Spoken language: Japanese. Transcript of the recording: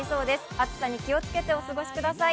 暑さに気をつけてお過ごしください。